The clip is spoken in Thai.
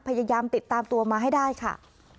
พยายามติดตามตัวมาให้ได้ค่ะ